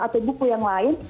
atau buku yang lain